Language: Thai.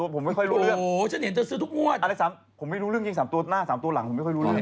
ผมไม่ค่อยรู้เรื่องนะ๓ตัวผมไม่ค่อยรู้เรื่องอะไร๓ตัวหน้า๓ตัวหลังผมไม่ค่อยรู้เรื่อง